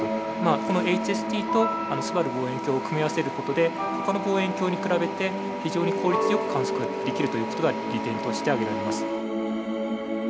このＨＳＣとすばる望遠鏡を組み合わせる事でほかの望遠鏡に比べて非常に効率よく観測ができるという事が利点として挙げられます。